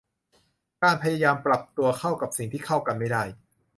การพยายามปรับตัวเข้ากับสิ่งที่เข้ากันไม่ได้